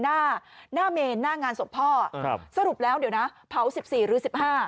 หน้าหน้าเมนหน้างานศพพ่อครับสรุปแล้วเดี๋ยวนะเผา๑๔หรือ๑๕